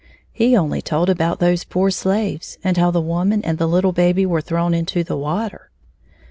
He only told about those poor slaves, and how the woman and the little baby were thrown into the water.